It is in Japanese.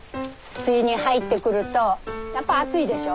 梅雨に入ってくるとやっぱ暑いでしょ？